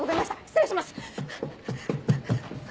失礼します。